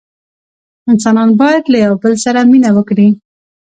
انسانان باید له یوه بل سره مینه وکړي.